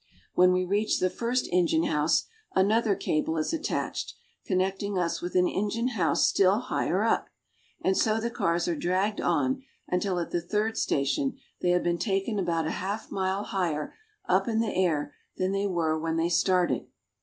When we reach the first engine house, another cable is attached, connecting us with an engine house still higher up, and so the cars are dragged on until at the third station they have been taken about a half mile higher up in the air than they were when they started.